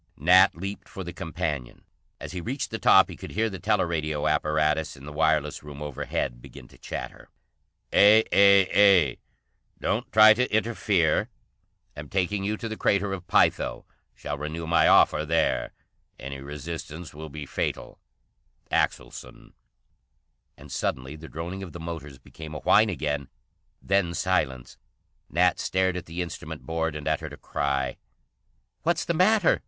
Nat leaped for the companion. As he reached the top he could hear the teleradio apparatus in the wireless room overhead begin to chatter: "A A A. Don't try to interfere. Am taking you to the Crater of Pytho. Shall renew my offer there. Any resistance will be fatal. Axelson." And suddenly the droning of the motors became a whine again, then silence. Nat stared at the instrument board and uttered a cry. "What's the matter?"